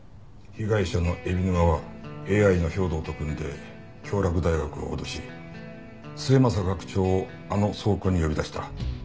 被害者の海老沼はＡＩの兵働と組んで京洛大学を脅し末政学長をあの倉庫に呼び出した。